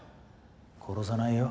殺さないよ。